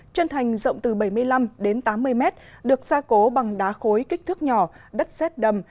chân thành rộng từ bảy mươi năm đến tám mươi mét được gia cố bằng đá khối kích thước nhỏ đất xét đầm